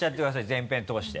全編通して？